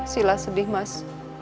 sila sedih mas